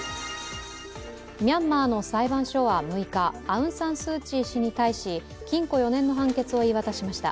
ミャンマーの裁判所は６日アウン・サン・スー・チー氏に対し禁錮４年の判決を言い渡しました。